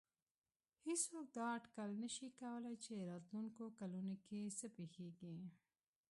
هېڅوک دا اټکل نه شي کولای چې راتلونکو کلونو کې څه پېښېږي.